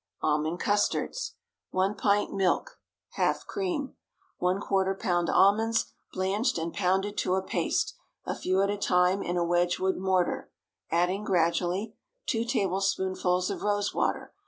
ALMOND CUSTARDS. 1 pint milk (half cream). ¼ lb. almonds, blanched and pounded to a paste, a few at a time in a Wedgewood mortar, adding gradually— 2 tablespoonfuls of rose water.